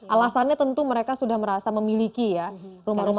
alasannya tentu mereka sudah merasa memiliki rumah rumah tersebut